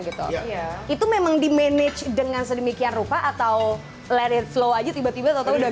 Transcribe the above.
gitu ya itu memang dimanage dengan sedemikian rupa atau let it flow aja tiba tiba atau udah